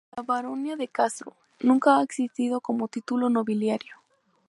La "Baronía de Castro" nunca ha existido como título nobiliario.